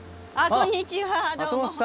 こんにちは。